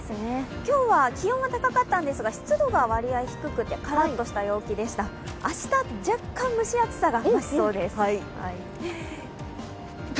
今日は気温が高かったんですが、湿度が割合低くてからっとした陽気でした、明日若干蒸し暑さが増しそうです。